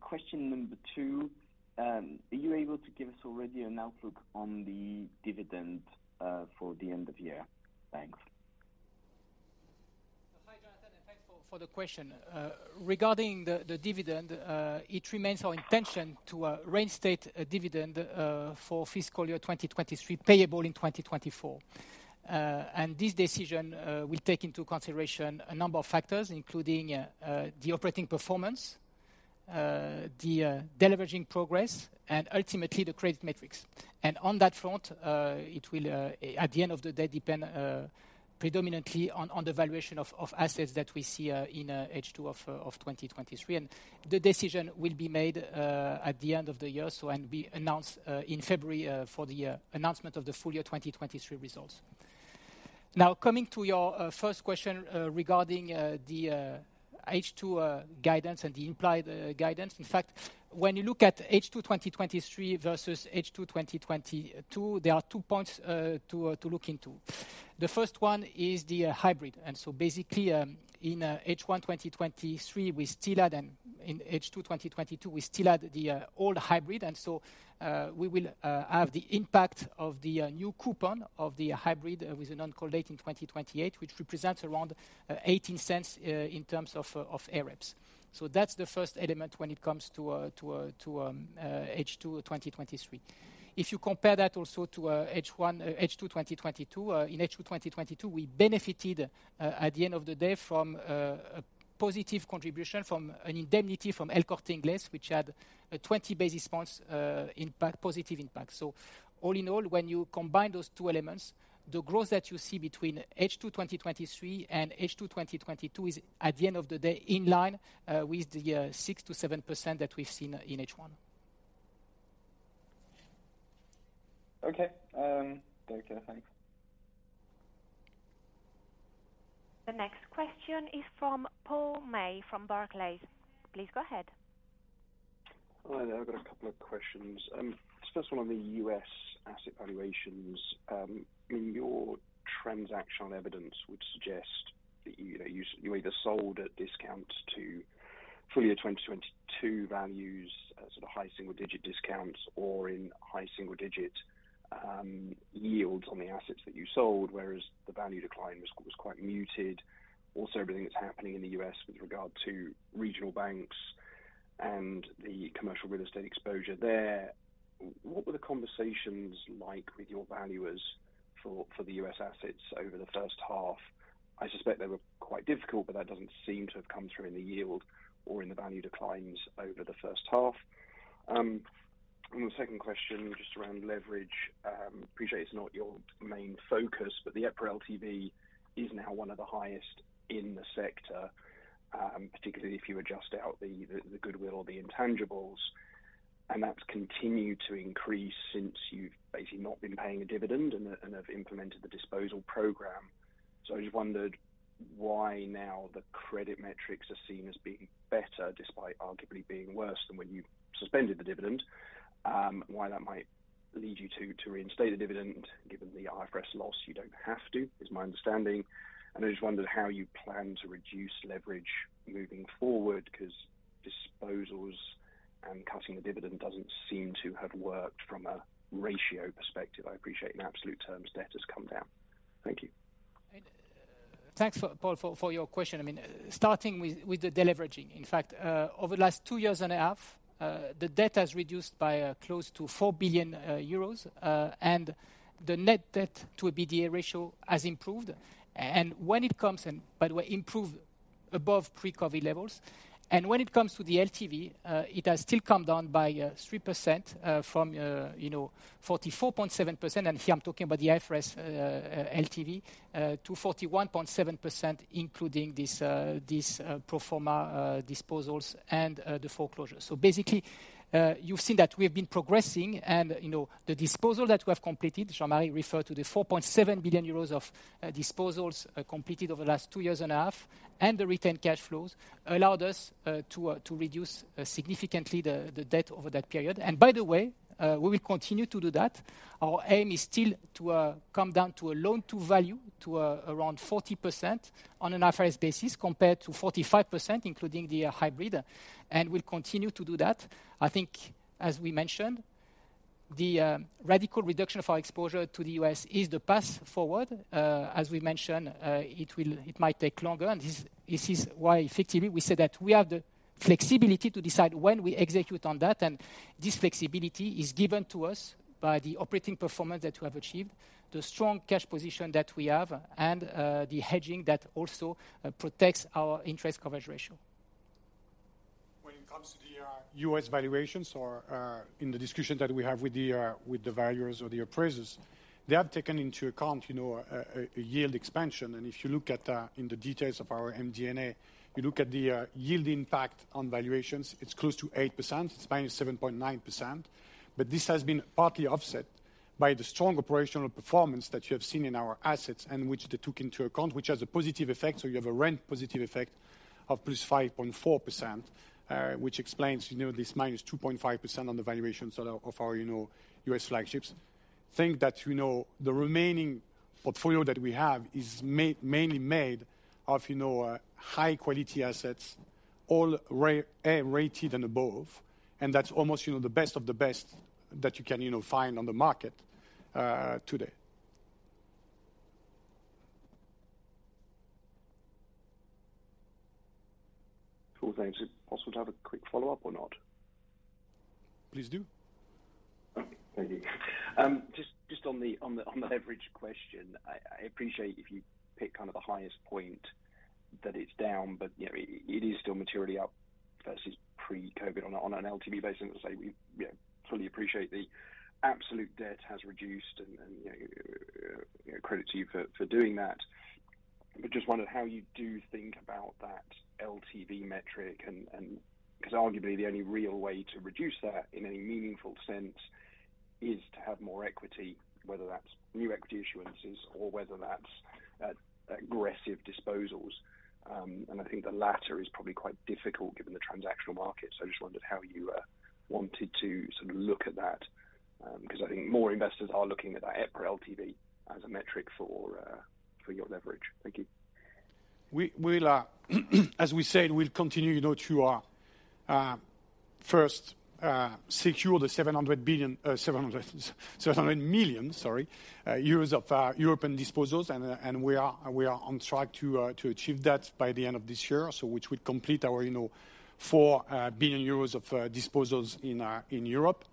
Question number two, are you able to give us already an outlook on the dividend for the end of the year? Thanks. Hi, Jonathan, and thanks for the question. Regarding the dividend, it remains our intention to reinstate a dividend for fiscal year 2023, payable in 2024. This decision will take into consideration a number of factors, including the operating performance, the deleveraging progress, and ultimately the credit metrics. On that front, it will at the end of the day, depend predominantly on the valuation of assets that we see in H2 of 2023. The decision will be made at the end of the year, so be announced in February for the announcement of the full year 2023 results. Coming to your first question, regarding the H2 guidance and the implied guidance. In fact, when you look at H2 2023 versus H2 2022, there are two points to look into. The first one is the hybrid. Basically, in H2 2022, we still had the old hybrid, we will have the impact of the new coupon of the hybrid, with an on-call date in 2028, which represents around 0.18 in terms of AREPS. That's the first element when it comes to H2 2023. If you compare that also to H1, H2 2022, in H2 2022, we benefited at the end of the day from a positive contribution from an indemnity from El Corte Inglés, which had a 20 basis points impact, positive impact. All in all, when you combine those two elements, the growth that you see between H2 2023 and H2 2022 is, at the end of the day, in line with the 6%-7% that we've seen in H1. Okay. Okay, thanks. The next question is from Paul May from Barclays. Please go ahead. Hi there. I've got a couple of questions. First one on the U.S. asset valuations. In your transactional evidence, which suggest that you know, you either sold at discounts to full year 2022 values at sort of high single-digit discounts or in high single-digit yields on the assets that you sold, whereas the value decline was quite muted. Also, everything that's happening in the U.S. with regard to regional banks and the commercial real estate exposure there, what were the conversations like with your valuers for the U.S. assets over the first half? I suspect they were quite difficult, but that doesn't seem to have come through in the yield or in the value declines over the first half. The second question, just around leverage. Appreciate it's not your main focus, but the EPRA LTV is now one of the highest in the sector, particularly if you adjust out the goodwill or the intangibles, and that's continued to increase since you've basically not been paying a dividend and have implemented the disposal program. I just wondered why now the credit metrics are seen as being better, despite arguably being worse than when you suspended the dividend, why that might lead you to reinstate the dividend, given the IFRS loss, you don't have to, is my understanding? I just wondered how you plan to reduce leverage moving forward, 'cause disposals and cutting the dividend doesn't seem to have worked from a ratio perspective. I appreciate in absolute terms, debt has come down. Thank you. Thanks for, Paul, for your question. I mean, starting with the deleveraging. In fact, over the last two years and a half, the debt has reduced by close to 4 billion euros. The net debt to a EBITDA ratio has improved, and by the way, improved above pre-COVID levels. When it comes to the LTV, it has still come down by 3% from, you know, 44.7%, and here I'm talking about the IFRS LTV, to 41.7%, including this pro-forma disposals and the foreclosures. Basically, you've seen that we have been progressing and, you know, the disposal that we have completed, Jean-Marie referred to the 4.7 billion euros of disposals completed over the last 2 years and a half, and the retained cash flows allowed us to reduce significantly the debt over that period. By the way, we will continue to do that. Our aim is still to come down to a loan to value to around 40% on an IFRS basis, compared to 45%, including the hybrid. We'll continue to do that. I think as we mentioned, the radical reduction of our exposure to the U.S. is the path forward. As we mentioned, it might take longer, and this is why effectively we said that we have the flexibility to decide when we execute on that, and this flexibility is given to us by the operating performance that we have achieved, the strong cash position that we have, and the hedging that also protects our interest coverage ratio. When it comes to the U.S. valuations or in the discussion that we have with the with the valuers or the appraisers, they have taken into account, you know, a yield expansion. If you look at in the details of our MD&A, you look at the yield impact on valuations, it's close to 8% [inaudible] 7.9%-. This has been partly offset by the strong operational performance that you have seen in our assets, and which they took into account, which has a positive effect. You have a rent positive effect of 5.4%+, which explains, you know, this 2.5%- on the valuations of our, you know, U.S. flagships. Think that, you know, the remaining portfolio that we have is mainly made of, you know, high quality assets, all ray, A rated and above, and that's almost, you know, the best of the best that you can, you know, find on the market, today. Cool, thanks. Is it possible to have a quick follow-up or not? Please do. Okay, thank you. Just on the leverage question, I appreciate if you pick kind of the highest point that it's down, but, you know, it is still materially up versus pre-COVID on an LTV basis. I'd say we, yeah, fully appreciate the absolute debt has reduced and, you know, credit to you for doing that. Just wondered how you do think about that LTV metric and, cause arguably, the only real way to reduce that in any meaningful sense is to have more equity, whether that's new equity issuances or whether that's aggressive disposals. I think the latter is probably quite difficult given the transactional market. I just wondered how you wanted to sort of look at that, because I think more investors are looking at that EPRA LTV as a metric for your leverage. Thank you. We'll as we said, we'll continue, you know, to first secure the 700 million EUR, sorry, of European disposals. We are on track to achieve that by the end of this year. Which will complete our, you know, 4 billion euros of disposals in Europe.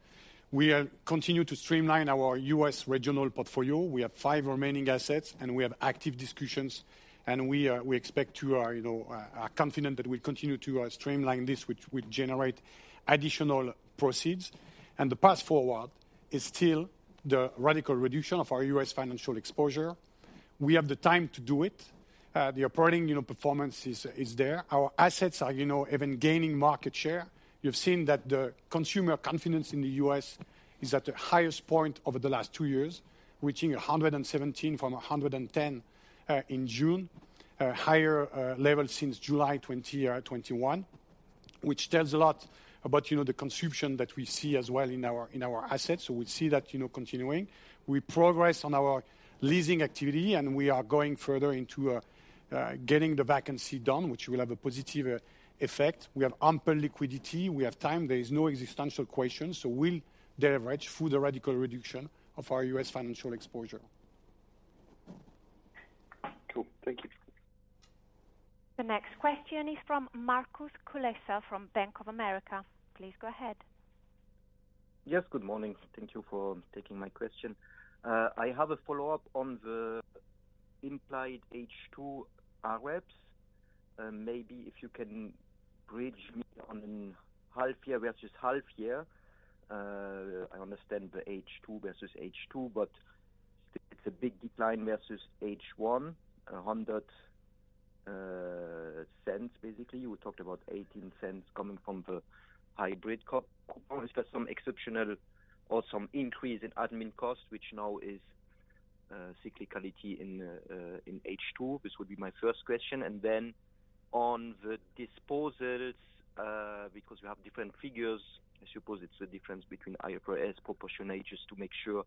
We are continue to streamline our U.S. regional portfolio. We have five remaining assets, and we have active discussions, and we expect to, you know, are confident that we continue to streamline this, which will generate additional proceeds. The path forward is still the radical reduction of our U.S. financial exposure. We have the time to do it. The operating, you know, performance is there. Our assets are, you know, even gaining market share. You've seen that the consumer confidence in the U.S. is at the highest point over the last two years, reaching 117 from 110 in June. A higher level since July 2021. Which tells a lot about, you know, the consumption that we see as well in our assets. We see that, you know, continuing. We progress on our leasing activity, and we are going further into getting the vacancy down, which will have a positive effect. We have ample liquidity, we have time. There is no existential question, we'll leverage through the radical reduction of our U.S. financial exposure. Cool. Thank you. The next question is from Markus Kulessa from Bank of America. Please go ahead. Yes, good morning. Thank you for taking my question. I have a follow-up on the implied H2 AREPS. Maybe if you can bridge me on half year versus half year. I understand the H2 versus H2, but it's a big decline versus H1 on that sense, basically. You talked about 0.18 coming from the hybrid co-coupon. Is there some exceptional or some increase in admin costs, which now is cyclicality in H2? This would be my first question. On the disposals, because we have different figures, I suppose it's the difference between IFRS proportionate, just to make sure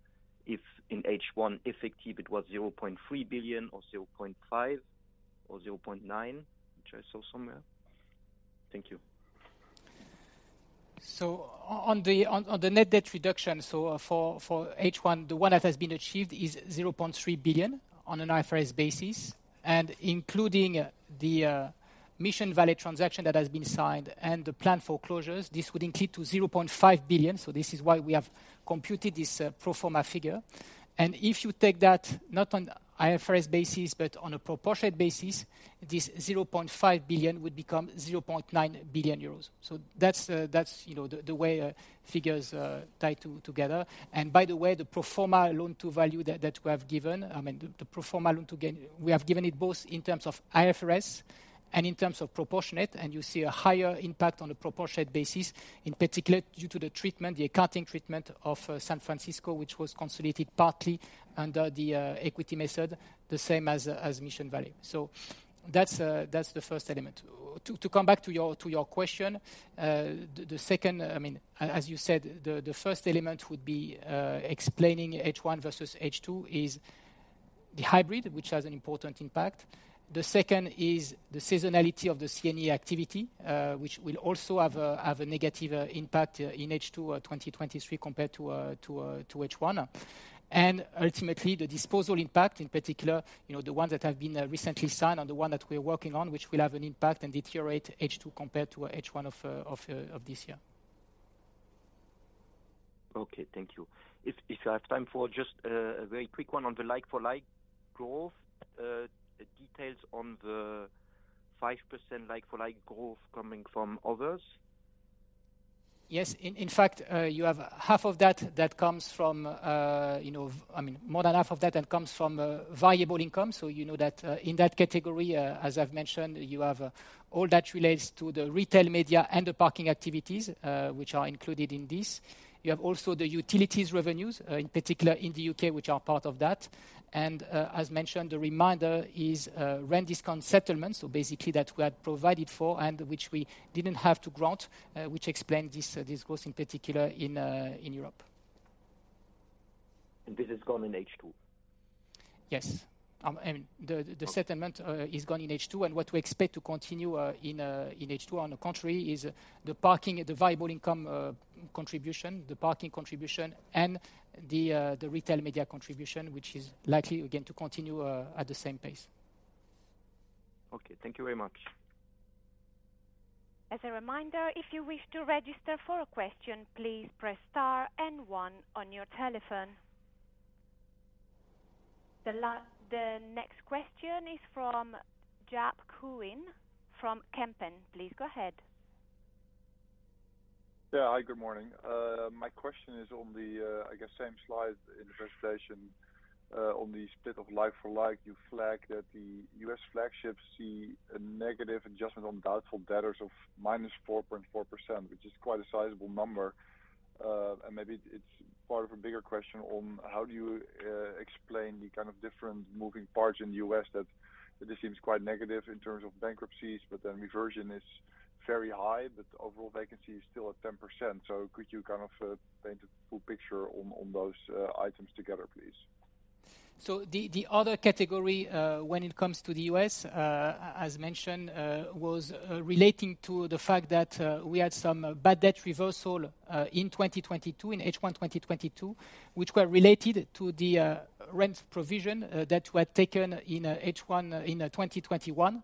if in H1, effective, it was 0.3 billion, or 0.5 billion, or 0.9 billion, which I saw somewhere. Thank you. On the net debt reduction, for H1, the one that has been achieved is 0.3 billion on an IFRS basis, and including the Mission Valley transaction that has been signed and the planned foreclosures, this would increase to 0.5 billion. This is why we have computed this pro-forma figure. If you take that, not on IFRS basis, but on a proportionate basis, this 0.5 billion would become 0.9 billion euros. That's, you know, the way figures tie together. By the way, the pro-forma loan to value that we have given, I mean, the pro-forma loan to gain, we have given it both in terms of IFRS and in terms of proportionate. You see a higher impact on a proportionate basis, in particular, due to the treatment, the accounting treatment of San Francisco, which was consolidated partly under the equity method, the same as Mission Valley. That's the first element. To come back to your question, the second, I mean, as you said, the first element would be explaining H1 versus H2 is the hybrid, which has an important impact. The second is the seasonality of the CNE activity, which will also have a negative impact in H2 2023 compared to H1. Ultimately, the disposal impact, in particular, you know, the ones that have been recently signed and the one that we're working on, which will have an impact and deteriorate H2 compared to H1 of this year. Okay, thank you. If I have time for just a very quick one on the like-for-like growth, the details on the 5% like-for-like growth coming from others? Yes. In fact, you have half of that comes from, you know, I mean, more than half of that comes from variable income. You know that, in that category, as I've mentioned, you have all that relates to the retail, media, and the parking activities, which are included in this. You have also the utilities revenues, in particular in the U.K., which are part of that. As mentioned, the remainder is rent discount settlement. Basically, that we had provided for and which we didn't have to grant, which explained this growth, in particular in Europe. This is gone in H2? Yes. I mean, the settlement is gone in H2. What we expect to continue in H2, on the contrary, is the parking, the variable income contribution, the parking contribution, and the retail media contribution, which is likely, again, to continue at the same pace. Okay. Thank you very much. As a reminder, if you wish to register for a question, please press star and one on your telephone. The next question is from Jaap Kuin from Kempen. Please go ahead. Yeah. Hi, good morning. My question is on the I guess same slide in the presentation. On the split of like-for-like, you flagged that the U.S. flagships see a negative adjustment on doubtful debtors of 4.4%-, which is quite a sizable number. Maybe it's part of a bigger question on how do you explain the kind of different moving parts in the U.S. that this seems quite negative in terms of bankruptcies, but then reversion is very high, but overall vacancy is still at 10%? Could you kind of paint a full picture on those items together, please? The other category, when it comes to the U.S., as mentioned, was relating to the fact that we had some bad debt reversal in 2022, in H1 2022, which were related to the rent provision that were taken in H1 in 2021,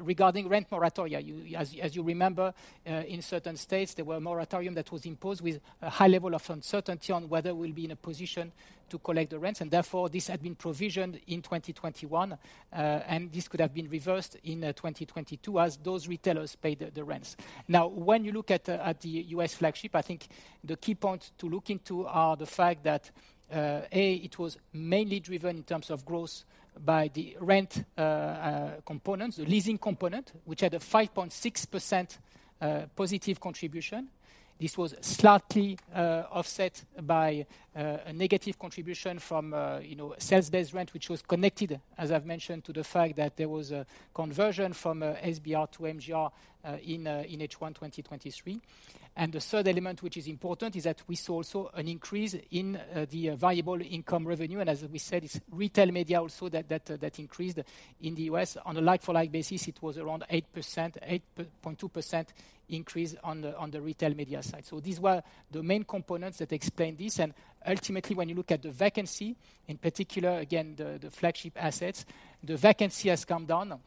regarding rent moratorium. You, as you remember, in certain states, there were a moratorium that was imposed with a high level of uncertainty on whether we'll be in a position to collect the rents, and therefore, this had been provisioned in 2021. And this could have been reversed in 2022 as those retailers paid the rents. Now, when you look at the U.S. flagship, I think the key points to look into are the fact that, A, it was mainly driven in terms of growth by the rent components, the leasing component, which had a 5.6% positive contribution. This was slightly offset by a negative contribution from, you know, sales-based rent, which was connected, as I've mentioned, to the fact that there was a conversion from SBR to MGR in H1 2023. The third element, which is important, is that we saw also an increase in the variable income revenue, and as we said, it's retail media also that increased in the U.S. On a like-for-like basis, it was around 8%, 8.2% increase on the retail media side. These were the main components that explain this. Ultimately, when you look at the vacancy, in particular, again, the flagship assets, the vacancy has come down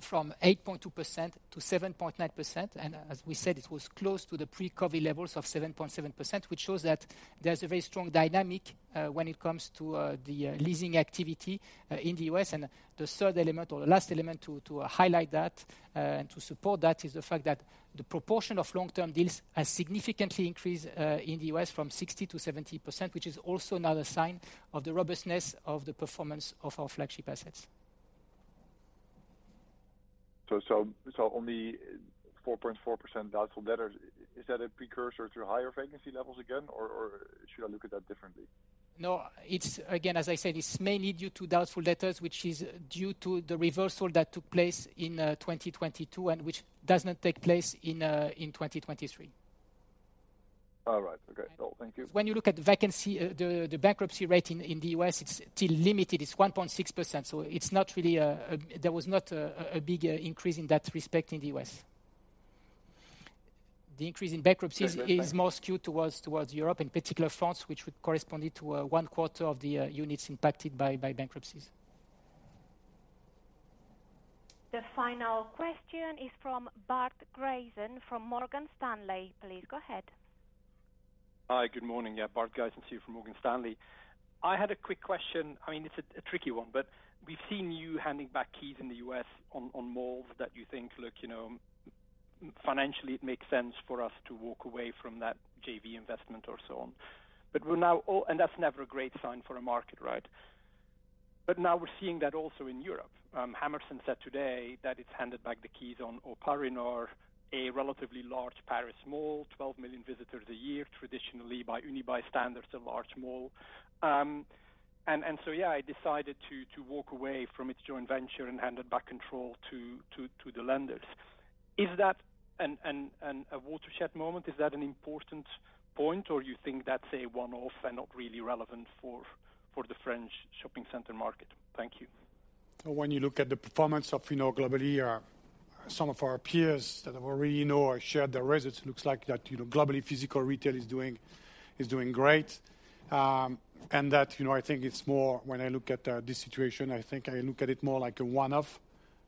from 8.2%-7.9%. As we said, it was close to the pre-COVID levels of 7.7%, which shows that there's a very strong dynamic when it comes to the leasing activity in the U.S. The third element or the last element to highlight that and to support that, is the fact that the proportion of long-term deals has significantly increased in the U.S. from 60%-70%, which is also another sign of the robustness of the performance of our flagship assets. On the 4.4% doubtful debtors, is that a precursor to higher vacancy levels again, or should I look at that differently? No, it's again, as I said, this is mainly due to doubtful debtors, which is due to the reversal that took place in 2022 and which does not take place in 2023. All right. Okay, cool. Thank you. When you look at vacancy, the bankruptcy rate in the US, it's still limited. It's 1.6%, so it's not really a, there was not a, big increase in that respect in the US. Okay, thank you. The increase in bankcruptcy is more skewed towards Europe, in particular France, which would corresponded to one quarter of the units impacted by bankruptcies. The final question is from Bart Gysens from Morgan Stanley. Please go ahead. Hi, good morning. Bart Gysens from Morgan Stanley. I had a quick question. I mean, it's a tricky one, but we've seen you handing back keys in the U.S. on malls that you think, look, you know, financially, it makes sense for us to walk away from that JV investment or so on. That's never a great sign for a market, right? Now we're seeing that also in Europe. Hammerson said today that it's handed back the keys on O'Parinor, a relatively large Paris mall, 12 million visitors a year, traditionally by Unibail standards, a large mall. Yeah, it decided to walk away from its joint venture and handed back control to the lenders. Is that a watershed moment? Is that an important point, or you think that's a one-off and not really relevant for the French shopping center market? Thank you. When you look at the performance of, you know, globally, some of our peers that have already, you know, shared their results, looks like that, you know, globally, physical retail is doing great. That, you know, I think it's more when I look at this situation, I think I look at it more like a one-off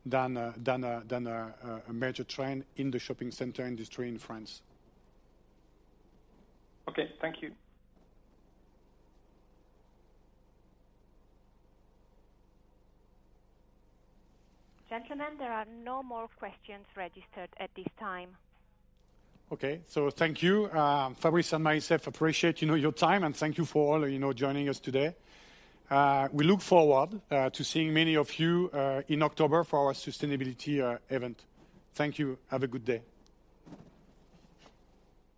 than a major trend in the shopping center industry in France. Okay, thank you. Gentlemen, there are no more questions registered at this time. Okay. Thank you. Fabrice and myself appreciate, you know, your time, and thank you for all, you know, joining us today. We look forward to seeing many of you in October for our sustainability event. Thank you. Have a good day.